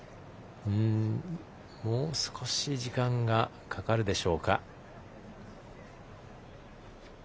もう少し時間がかかるでしょうか。